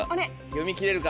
読み切れるか？